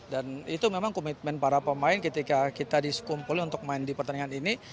dan itu memang komitmen para pemain ketika kita dikumpul untuk main di pertandingan ini